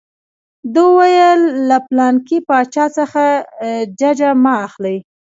ده وویل له پلانکي باچا څخه ججه مه اخلئ.